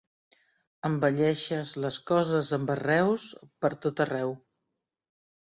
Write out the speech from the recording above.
Embelleixes les coses amb arreus per tot arreu.